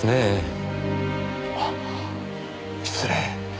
あっ失礼。